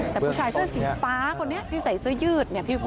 แต่ผู้ชายเสื้อสีฟ้าคนนี้ที่ใส่เสื้อยืดเนี่ยพี่ฟุ๊ก